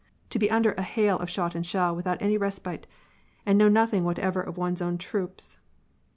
To be under a hail of shot and shell, without any respite, and know nothing whatever of one's own troops!